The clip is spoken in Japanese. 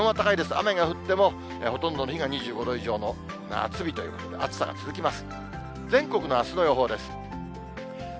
雨が降ってもほとんどの日が２５度以上の夏日ということで、暑さが続きます。